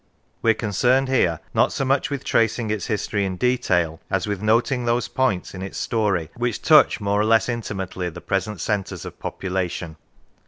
We are concerned here not so much with tracing its history in detail as with noting those points in its story which touch more or less intimately the present centres of population.